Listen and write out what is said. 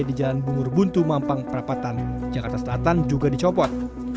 di jalan bungur buntu mampang perapatan jakarta selatan juga dicopot